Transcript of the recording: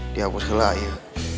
diapus gelah ayo